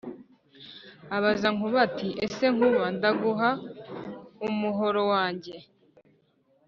abaza Nkuba ati: « ese Nkuba ndaguha umuhoro wahjye